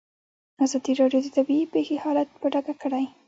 ازادي راډیو د طبیعي پېښې حالت په ډاګه کړی.